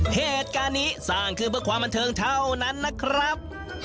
เหตุการณ์นี้สร้างขึ้นเพื่อความบันเทิงเท่านั้นนะครับ